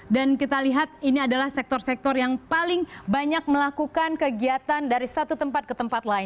dan kita lihat ini adalah sektor sektor yang paling banyak melakukan kegiatan dari satu tempat ke tempat lain